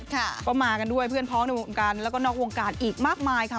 ก็มากันด้วยเพื่อนพร้อมในวงการแล้วก็นอกวงการอีกมากมายค่ะ